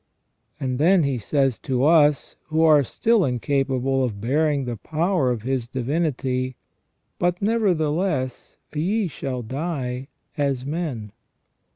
And then He says to us, who are still incapable of bearing the power of His Divinity :" But nevertheless ye shall die as men